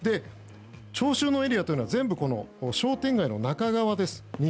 聴衆のエリアというのは全部、商店街の中側です。